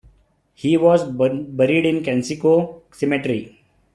He was buried in Kensico Cemetery.